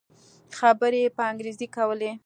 خبرې يې په انګريزي کولې.